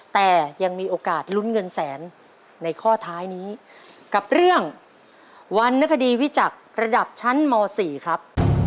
แต่ยังมีโอกาสลุ้นเงินแสนในข้อท้ายนี้กับเรื่องวรรณคดีวิจักรระดับชั้นม๔ครับ